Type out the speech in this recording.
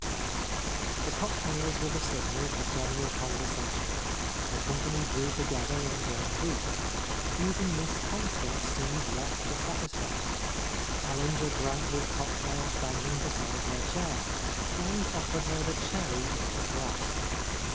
The cocktails were the signal for general con versation, the company dre^w together in one group. Even Miss Constance seemed less dis satisfied. Ellinger drank his cocktail standing beside her chair, and offered her the cherry in his glass.